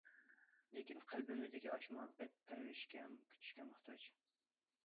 لېكىن قەلبىمىزدىكى ئاشۇ مۇھەببەت پەرۋىشكە، كۈتۈشكە موھتاج.